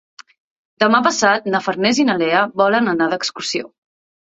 Demà passat na Farners i na Lea volen anar d'excursió.